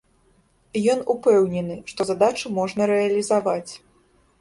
Ён упэўнены, што задачу можна рэалізаваць.